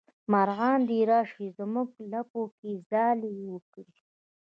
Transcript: مارغان دې راشي زمونږ لپو کې ځالې وکړي